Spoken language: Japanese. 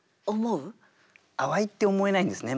「淡い」って思えないんですね